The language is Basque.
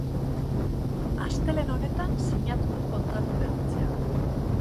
Astelehen honetan sinatu du kontratu berritzea.